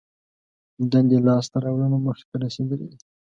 دندې لاس ته راوړنه موخې رسېدلي دي.